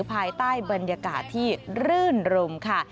ภายใต้บรรยากาศที่รื่นรมค่ะ